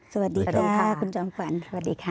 สวัสดีค่ะคุณจ้องภัณฑ์